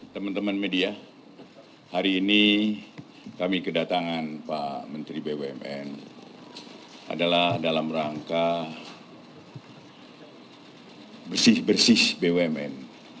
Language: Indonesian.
teman teman media hari ini kami kedatangan pak menteri bumn adalah dalam rangka bersih bersih bumn